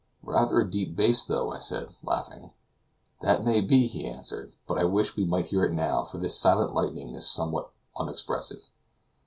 "Rather a deep bass, though," I said, laughing. "That may be," he answered; "but I wish we might hear it now, for this silent lightning is somewhat unexpressive."